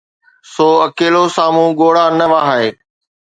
سو اڪيلو، سامهون ڳوڙها نه وهائي.